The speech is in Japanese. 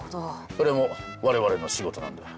それも我々の仕事なんだ。